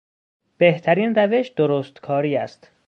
بهترین روش درستکاری است.